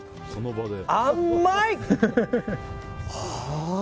甘い。